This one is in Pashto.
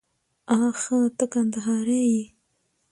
آښه ته کندهاری يې؟